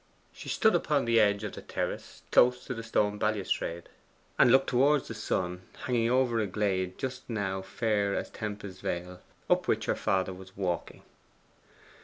She stood upon the edge of the terrace, close to the stone balustrade, and looked towards the sun, hanging over a glade just now fair as Tempe's vale, up which her father was walking.